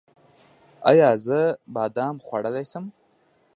ایا زه بادام خوړلی شم؟